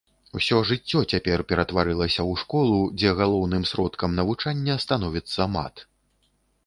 Усё жыццё цяпер ператварылася ў школу, дзе галоўным сродкам навучання становіцца мат.